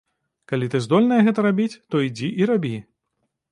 Калі ты здольная гэта рабіць, то ідзі і рабі.